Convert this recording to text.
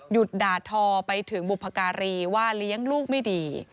ด่าทอไปถึงบุพการีว่าเลี้ยงลูกไม่ดี